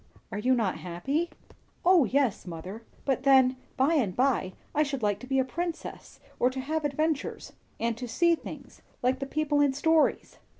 "Are you not happy?" "O yes, mother! But then, by and by, I should like to be a princess, or to have adventures, and see things; like the people in stories."